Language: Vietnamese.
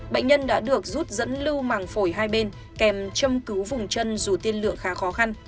bệnh nhân đã được rút dẫn lưu màng phổi hai bên kèm châm cứu vùng chân dù tiên lượng khá khó khăn